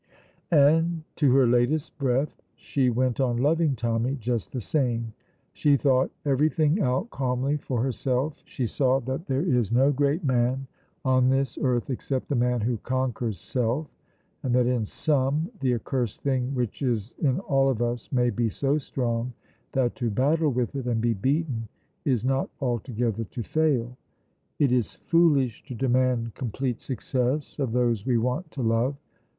And to her latest breath she went on loving Tommy just the same. She thought everything out calmly for herself; she saw that there is no great man on this earth except the man who conquers self, and that in some the accursed thing which is in all of us may be so strong that to battle with it and be beaten is not altogether to fail. It is foolish to demand complete success of those we want to love.